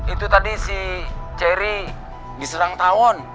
itu tadi si cherry diserang tawon